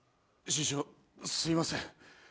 師匠すみません。